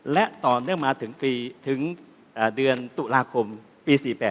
และตอนนี้มาถึงเดือนตุลาครมปี๔๘